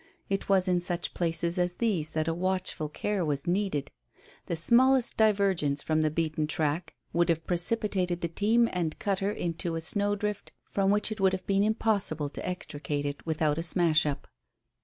It was in such places as these that a watchful care was needed. The smallest divergence from the beaten track would have precipitated the team and cutter into a snow drift from which it would have been impossible to extricate it without a smash up.